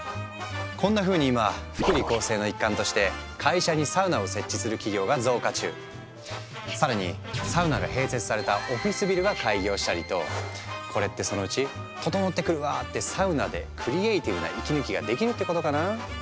こんなふうに今更にサウナが併設されたオフィスビルが開業したりとこれってそのうち「ととのってくるわ」ってサウナでクリエーティブな息抜きができるってことかな？